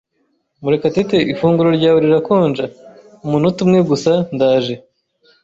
"Murekatete, ifunguro ryawe rirakonja." "Umunota umwe gusa. Ndaje."